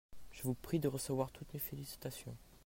je vous prie de recevoir toutes mes félicitations.